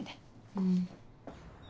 うん。